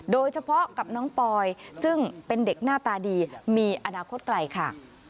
โดยเฉพาะกับน้องปอยซึ่งเป็นเด็กหน้าตาดีมีอนาคตไกลค่ะ